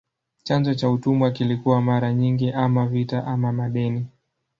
Chanzo cha utumwa kilikuwa mara nyingi ama vita ama madeni.